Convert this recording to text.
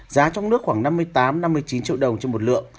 giá trong nước khoảng năm mươi tám năm mươi chín triệu đồng trên một lượng